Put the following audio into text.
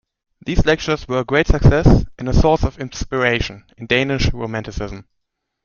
These lectures were a great success and a source of inspiration in Danish romanticism.